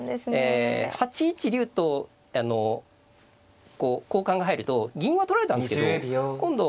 ええ８一竜と交換が入ると銀は取られたんですけど今度